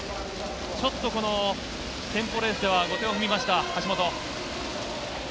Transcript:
テンポレースでは後手を踏みました橋本。